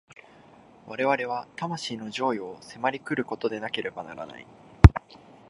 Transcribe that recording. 我々の魂の譲与を迫り来ることでなければならない。